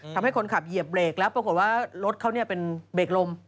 ทำให้คนขับเหยียบเบรกแล้วปรากฏว่ารถเขาเป็นเบรกลม